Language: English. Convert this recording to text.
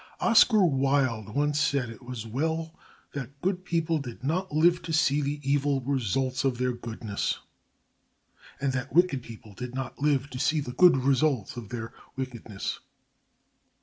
Oscar Wilde once said it was well that good people did not live to see the evil results of their goodness and that wicked people did not live to see the good results of their wickedness.